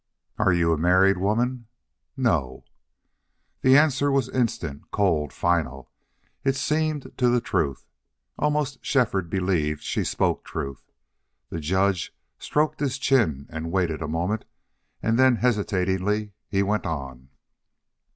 "Are you a married woman?" "No." The answer was instant, cold, final. It seemed to the truth. Almost Shefford believed she spoke truth. The judge stroked his chin and waited a moment, and then hesitatingly he went on.